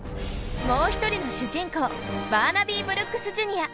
もう一人の主人公バーナビー・ブルックスＪｒ．。